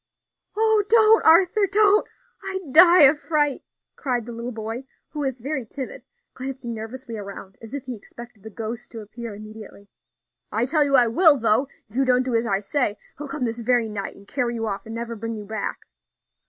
"Oh! don't, Arthur, don't; I'd die of fright," cried the little boy, who was very timid, glancing nervously around, as if he expected the ghost to appear immediately. "I tell you I will, though, if you don't do as I say; he'll come this very night and carry you off, and never bring you back."